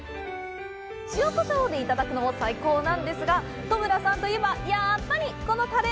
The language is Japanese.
塩、こしょうでいただくのも最高なんですが戸村さんといえば、やっぱりこのタレ！